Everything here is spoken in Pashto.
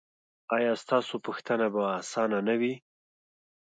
ایا ستاسو پوښتنه به اسانه نه وي؟